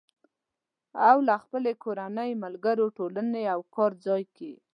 او له خپلې کورنۍ، ملګرو، ټولنې او کار ځای کې